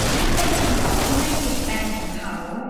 นี่เป็นคำตอบที่ไม่เปลี่ยนแปลงของเขา